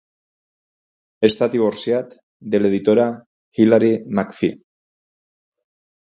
Està divorciat de l'editora Hilary McPhee.